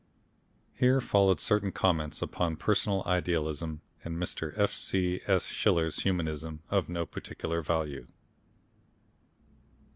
Here followed certain comments upon Personal Idealism, and Mr. F. C. S. Schiller's Humanism, of no particular value.